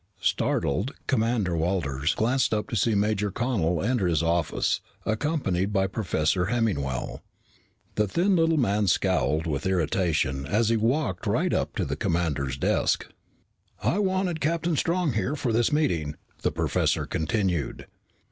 Startled, Commander Walters glanced up to see Major Connel enter his office, accompanied by Professor Hemmingwell. The thin little man scowled with irritation as he walked right up to the commander's desk. "I wanted Captain Strong here for this meeting," the professor continued.